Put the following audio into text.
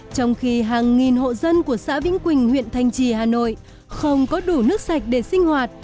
trong khi hàng nghìn hộ dân của xã vĩnh quỳnh huyện thanh trì hà nội không có đủ nước sạch để sinh hoạt